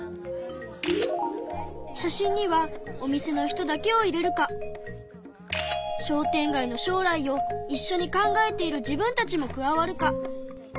写真にはお店の人だけをいれるか商店街のしょう来をいっしょに考えている自分たちも加わるか。